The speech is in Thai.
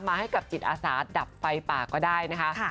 ให้กับจิตอาสาดับไฟป่าก็ได้นะคะ